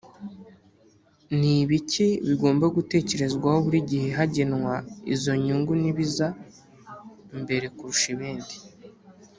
Ni ibiki bigomba gutekerezwaho buri gihe hagenwa izo nyungu n’ibiza mbere kurusha ibindi